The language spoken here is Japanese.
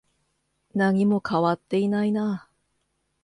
何も変わっていないな。